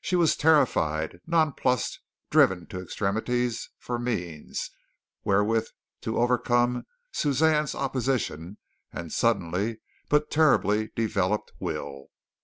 She was terrified, nonplussed, driven to extremities for means wherewith to overcome Suzanne's opposition and suddenly but terribly developed will.